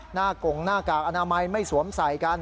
กงหน้ากากอนามัยไม่สวมใส่กัน